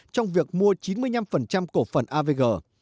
trong việc mua chín mươi năm cổ phần avg